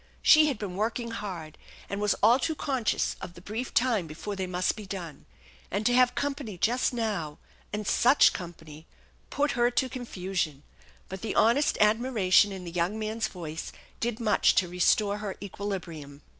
She had been working hard, and was all too conscious of the brief time before they must be done ; and to have company just now and such com pany put her to confusion ; but the honest admiration in the young man's voice did much to restore her equilibrium.